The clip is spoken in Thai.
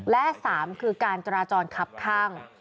และ๓คือการจราจรคับข้าง